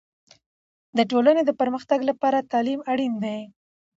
د ټولنې د پرمختګ لپاره تعلیم اړین دی.